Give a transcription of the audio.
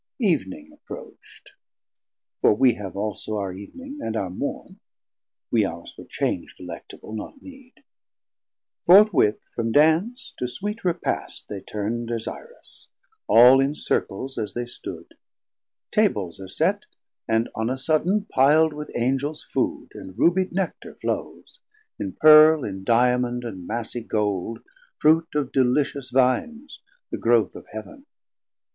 Eevning approachd (For we have also our Eevning and our Morn, We ours for change delectable, not need) Forthwith from dance to sweet repast they turn 630 Desirous, all in Circles as they stood, Tables are set, and on a sudden pil'd With Angels Food, and rubied Nectar flows: In Pearl, in Diamond, and massie Gold, Fruit of delicious Vines, the growth of Heav'n.